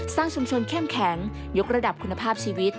สร้างชุมชนเข้มแข็งยกระดับคุณภาพชีวิต